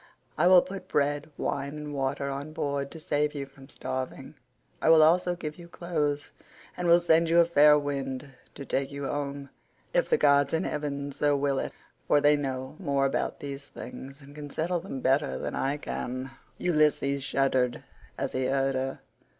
I will put bread, wine, and water on board to save you from starving. I will also give you clothes, and will send you a fair wind to take you home, if the gods in heaven so will it—for they know more about these things, and can settle them better than I can." Ulysses shuddered as he heard her.